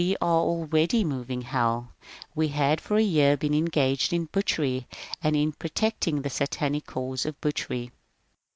We were already moving Hell ;) we had for a year been engaged in butchery and in protect ^ ing the Satanic cause of the butchery.